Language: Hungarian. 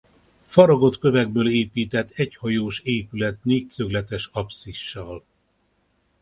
Faragott kövekből épített egyhajós épület négyszögletes apszissal.